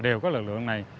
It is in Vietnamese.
đều có lực lượng này